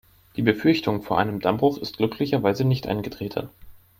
Die Befürchtung vor einem Dammbruch ist glücklicherweise nicht eingetreten.